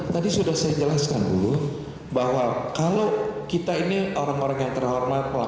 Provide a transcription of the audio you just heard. tadi sudah saya jelaskan dulu bahwa kalau kita ini orang orang yang terhormat